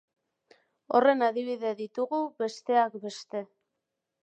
Horren adibide ditugu, besteak beste.